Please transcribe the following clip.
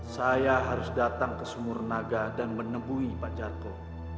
saya harus datang ke sumur naga dan menemui pak jargo